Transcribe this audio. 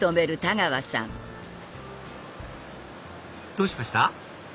どうしました？